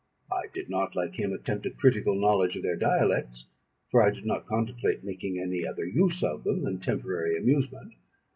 I did not, like him, attempt a critical knowledge of their dialects, for I did not contemplate making any other use of them than temporary amusement.